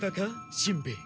しんべヱ。